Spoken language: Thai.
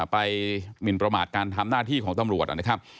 หมินประมาทการทำหน้าที่ของตำรวจนะครับ